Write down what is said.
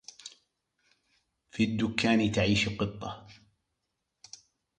في الدكان تعيش قطة.